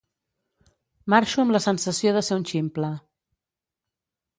Marxo amb la sensació de ser un ximple.